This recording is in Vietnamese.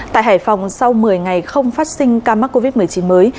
tại hải phòng sau một mươi ngày không phát sinh ca mắc covid một mươi chín mới